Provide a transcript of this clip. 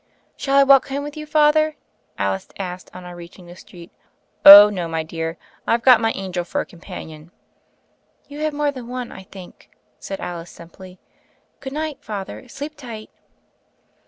"Shall I walk home with you. Father?" Alice asked on our reaching the street. THE FAIRY OF THE SNOWS 8i *^Oh, no, my dear: I've got my angel for a companion." "lou have more than one, I think," said Alice simply. "Good night, Father, sleep tight."